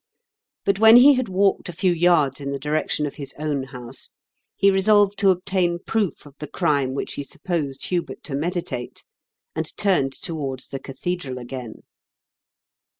But when he had walked a few yards in the direction of his own house, he resolved to obtain proof of the crime which he supposed Hubert to meditate, and turned towards the cathedral again.